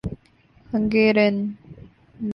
Hungarian